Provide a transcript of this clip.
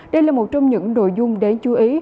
đây là một trong những nội dung đáng chú ý